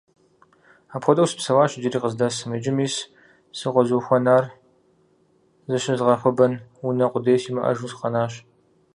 Апхуэдэу сыпсэуащ иджыри къыздэсым, иджы мис сыкъызыхуэнар - зыщызгъэхуэбэн унэ къудей симыӀэжу сыкъэнащ.